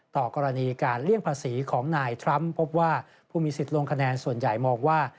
ต่อกรณีการเลี่ยงภาษีของนายทรัมป์พบว่าผู้มีสิทธิ์ลงคะแนนส่วนใหญ่มองว่า